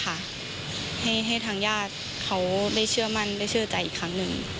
ให้ทางญาติเขาได้เชื่อมั่นได้เชื่อใจอีกครั้งหนึ่ง